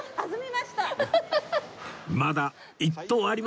まだ１投あります